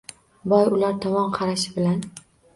Boy ular tomon qarashi bilan